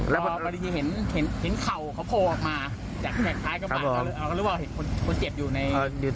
ตอนข้างในที่เห็นเข่าเค้าโพลออกมาจากท้ายรถกระบะฮรือว่าเห็นคนแจ่บอยู่ใน